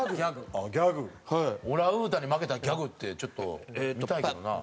オランウータンに負けたギャグってちょっと見たいけどな。